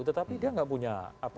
tetapi dia enggak punya